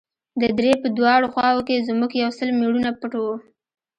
د درې په دواړو خواوو کښې زموږ يو سل مېړونه پټ وو.